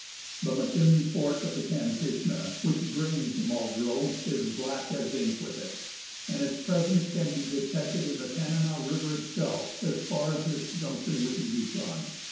The McKinley Fork of the Kantishna, which drains the Muldrow, is black as ink with it, and its presence can be detected in the Tanana River itself as far as its junction with the Yukon.